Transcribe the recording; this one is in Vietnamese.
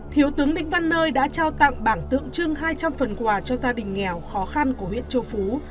thiếu tướng lĩnh văn nơi đã trao tặng bản tượng trưng hai trăm linh phần quà cho gia đình nghèo khó khăn của huyện châu phú